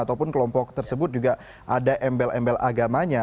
ataupun kelompok tersebut juga ada embel embel agamanya